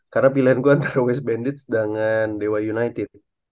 karena pilihan gue antara west bandits dengan dewa united